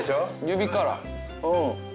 指から。